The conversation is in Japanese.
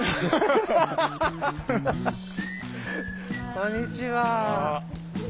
こんにちは。